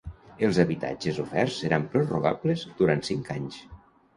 Els habitatges oferts seran prorrogables durant cinc anys.